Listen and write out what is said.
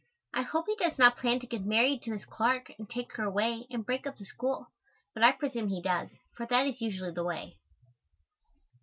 I hope he does not plan to get married to Miss Clark and take her away and break up the school, but I presume he does, for that is usually the way.